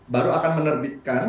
baru akan menerbitkan